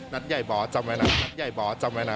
นัทใหญ่บอสจำไหมนะ